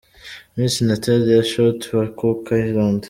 Miss Natalia Short wa Cook Islands.